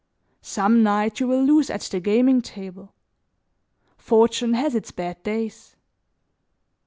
Some night you will lose at the gaming table; Fortune has its bad days.